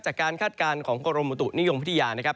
จากการคาดการณ์ของกรมตุนิยมพฤธิญานะครับ